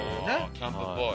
キャンプっぽい。